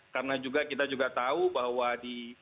karena juga kita juga tahu bahwa di